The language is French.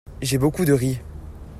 J'ai beaucoup de riz.